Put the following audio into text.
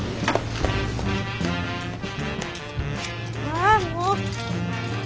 ああもう。